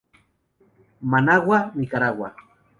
Managua, Nicaragua.